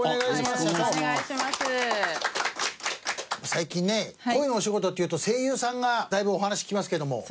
最近ね声のお仕事っていうと声優さんがだいぶお話聞きますけども。